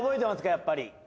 やっぱり。